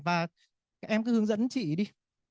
và em cứ hướng dẫn chị đi